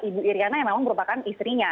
ibu iryana yang memang merupakan istrinya